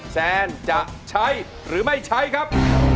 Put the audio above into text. แซนจะใช้หรือไม่ใช้ครับ